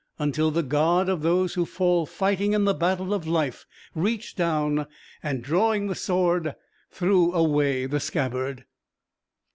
until the God of those who fall fighting in the battle of life reached down and, drawing the sword, threw away the scabbard.